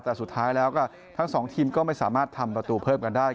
แต่สุดท้ายแล้วก็ทั้งสองทีมก็ไม่สามารถทำประตูเพิ่มกันได้